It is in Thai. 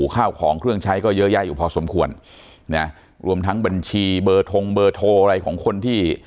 ข้าวของเครื่องใช้ก็เยอะแยะอยู่พอสมควรนะรวมทั้งบัญชีเบอร์ทงเบอร์โทรอะไรของคนที่